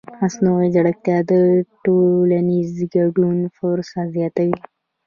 مصنوعي ځیرکتیا د ټولنیز ګډون فرصت زیاتوي.